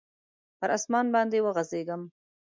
پر اسمان باندي وغځیږم